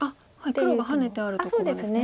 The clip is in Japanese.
黒がハネてあるところですね。